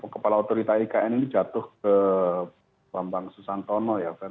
kepala otorita ikn ini jatuh ke bambang susantono ya